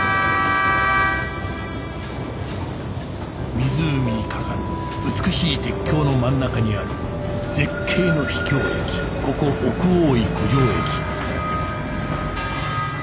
湖に架かる美しい鉄橋の真ん中にある絶景の秘境駅ここ奥大井湖上駅